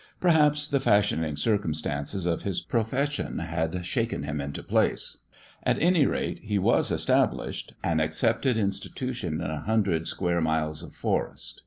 Perhaps the fashioning cir cumstances of his profession had shaken him into place : at any rate, he was established an ac cepted institution in a hundred square miles of forest.